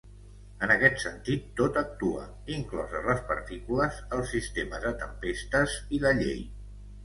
En aquest sentit, tot actua, incloses les partícules, els sistemes de tempestes i la llei.